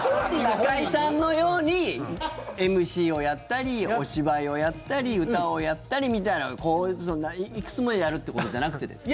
中居さんのようにＭＣをやったりお芝居をやったり歌をやったりみたいないくつもやるってことじゃなくてですか？